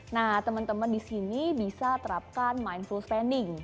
nah teman teman di sini bisa terapkan mindful spending